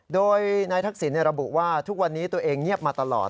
โดยนายทักษิณระบุว่าทุกวันนี้ตัวเองเงียบมาตลอด